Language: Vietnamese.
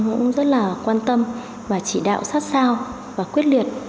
cũng rất là quan tâm và chỉ đạo sát sao và quyết liệt